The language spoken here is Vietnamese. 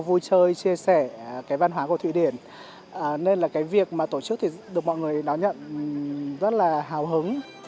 vui chơi chia sẻ cái văn hóa của thụy điển nên là cái việc mà tổ chức thì được mọi người đón nhận rất là hào hứng